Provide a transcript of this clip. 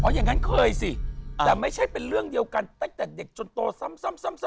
อย่างนั้นเคยสิแต่ไม่ใช่เป็นเรื่องเดียวกันตั้งแต่เด็กจนโตซ้ำ